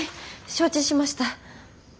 承知しました。